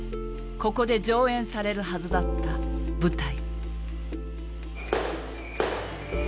ここで上演されるはずだった舞台